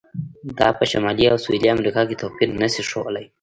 دا په شمالي او سویلي امریکا کې توپیر نه شي ښودلی.